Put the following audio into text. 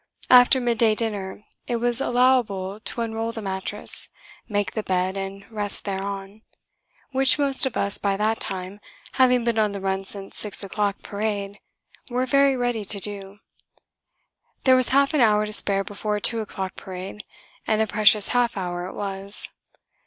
After midday dinner it was allowable to unroll the mattress, make the bed, and rest thereon which most of us by that time (having been on the run since 6 o'clock parade) were very ready to do. There was half an hour to spare before 2 o'clock parade, and a precious half hour it was.